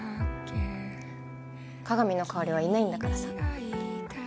加賀美の代わりはいないんだからさ。